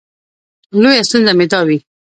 لویه ستونزه مې دا وي.